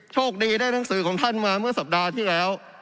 โชคดีได้หนังสือท่านคำสั่งเมื่อสับดาที่แล้ว